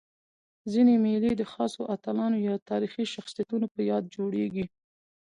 ځيني مېلې د خاصو اتلانو یا تاریخي شخصیتونو په یاد جوړيږي.